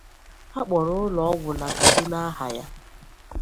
A kpọrọ ụlọ ọgwụ na Kaduna aha ya.